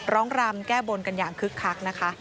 ร้องรำแก้บนกันอย่างคึกคัก